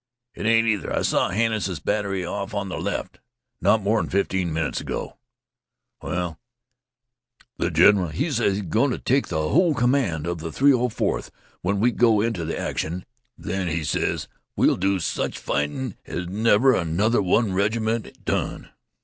"It ain't either. I saw Hannises' batt'ry off on th' left not more'n fifteen minutes ago." "Well " "Th' general, he ses he is goin' t' take th' hull cammand of th' 304th when we go inteh action, an' then he ses we'll do sech fightin' as never another one reg'ment done."